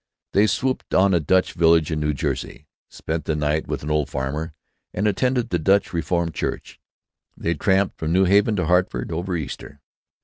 They swooped on a Dutch village in New Jersey, spent the night with an old farmer, and attended the Dutch Reformed church. They tramped from New Haven to Hartford, over Easter.